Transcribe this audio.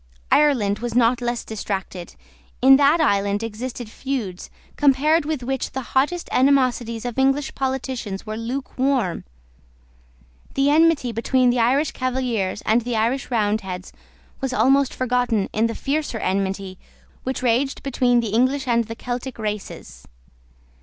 Ireland was not less distracted. In that island existed feuds, compared with which the hottest animosities of English politicians were lukewarm. The enmity between the Irish Cavaliers and the Irish Roundheads was almost forgotten in the fiercer enmity which raged between the English and the Celtic races.